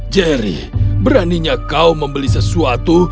jerry beraninya kau membeli sesuatu